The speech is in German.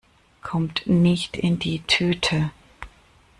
Kommt nicht in die Tüte!